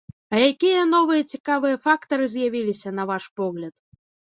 А якія новыя цікавыя фактары з'явіліся, на ваш погляд?